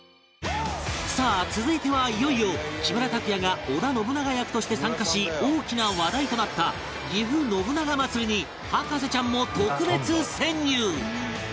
さあ続いてはいよいよ木村拓哉が織田信長役として参加し大きな話題となったぎふ信長まつりに博士ちゃんも特別潜入！